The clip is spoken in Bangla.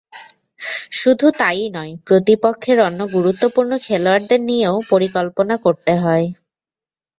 শুধু তা-ই নয়, প্রতিপক্ষের অন্য গুরুত্বপূর্ণ খেলোয়াড়দের নিয়েও পরিকল্পনা করতে হয়।